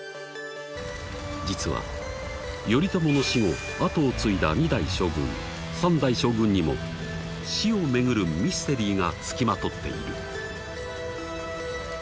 実は頼朝の死後跡を継いだ二代将軍三代将軍にも死をめぐるミステリーが付きまとっている。